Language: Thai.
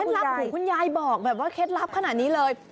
เป็นเคล็ดลับคุณยายบอกแบบว่าเคล็ดลับขนาดนี้เลย